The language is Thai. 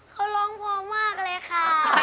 เขาร้องพอมากเลยค่ะ